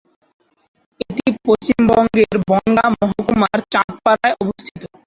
এটি পশ্চিমবঙ্গের বনগাঁ মহকুমার চাঁদপাড়ায় অবস্থিত।